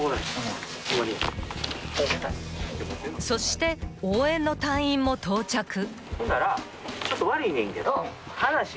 ［そして応援の隊員も到着］